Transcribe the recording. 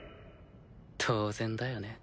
当然だよね。